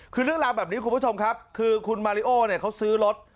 คือเรื่องราวแบบนี้คุณผู้ชมครับคือคุณมาริโอเนี่ยเขาซื้อรถ